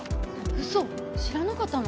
ウソ知らなかったの？